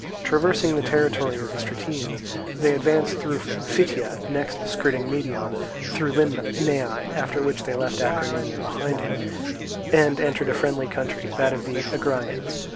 Traversing the territory of the Stratians, they advanced through Phytia, next, skirting Medeon, through Limnaea; after which they left Acarnania behind them and entered a friendly country, that of the Agraeans.